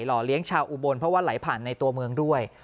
เลี้ยงชาวอุบลเพราะว่าไหลผ่านในตัวเมืองด้วย